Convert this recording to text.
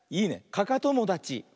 かかともだち。